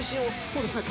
そうですね。